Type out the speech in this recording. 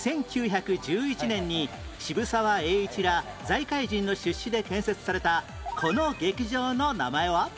１９１１年に渋沢栄一ら財界人の出資で建設されたこの劇場の名前は？